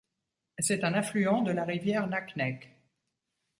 C'est un affluent de la rivière Naknek.